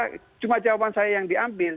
tiba tiba cuma jawaban saya yang diambil